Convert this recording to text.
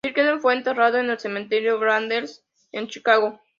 Pinkerton fue enterrado en el cementerio Graceland, en Chicago.